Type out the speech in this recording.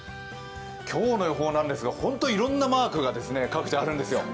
今日の予報なんですがいろんなマークが各地あるんですよ。